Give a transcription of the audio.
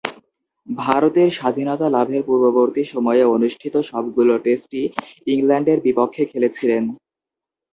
ভারতের স্বাধীনতা লাভের পূর্ববর্তী সময়ে অনুষ্ঠিত সবগুলো টেস্টই ইংল্যান্ডের বিপক্ষে খেলেছিলেন।